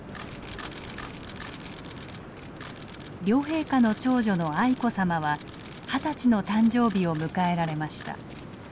両陛下の長女の愛子さまは二十歳の誕生日を迎えられました。